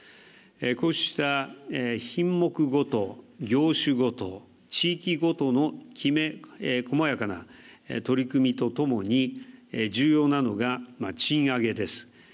こうした品目ごと、業種ごと、地域ごとのきめ細やかな取り組みとともに、重要なのが、賃上げです。